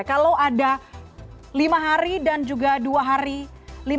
kalau ada lima hari dan juga dua hari